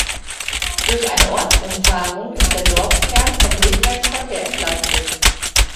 Durch eine Ortsumfahrung ist der Dorfkern vom Durchgangsverkehr entlastet.